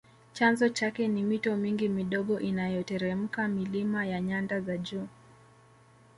Chanzo chake ni mito mingi midogo inayoteremka milima ya nyanda za juu